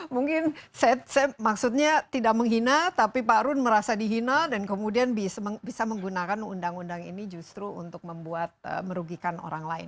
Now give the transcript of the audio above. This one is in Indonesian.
mungkin saya maksudnya tidak menghina tapi pak run merasa dihina dan kemudian bisa menggunakan undang undang ini justru untuk membuat merugikan orang lain